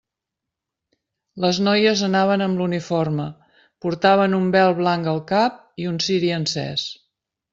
Les noies anaven amb l'uniforme, portaven un vel blanc al cap, i un ciri encès.